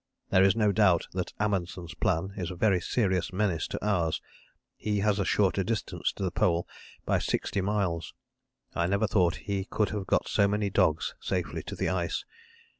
There is no doubt that Amundsen's plan is a very serious menace to ours. He has a shorter distance to the Pole by 60 miles I never thought he could have got so many dogs safely to the ice.